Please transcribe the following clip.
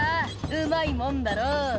うまいもんだろ」